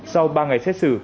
sau ba ngày xét xử